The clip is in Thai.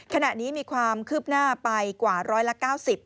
ขณะนี้มีความคืบหน้าไปกว่าร้อยละ๙๐